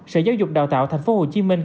sở giáo dục đào tạo thành phố hồ chí minh